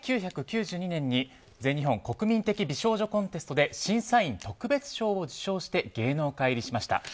１９９２年に全日本国民的美少女コンテストで審査員特別賞を受賞して芸能界入りしました。